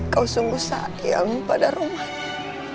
kau sungguh sayang pada romain